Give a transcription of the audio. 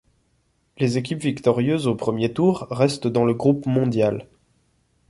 Les équipes victorieuses au premier tour restent dans le groupe mondial.